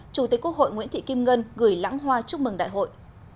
chủ tịch quốc hội nguyễn thị kim ngân gửi lãng hoa chúc mừng đại hội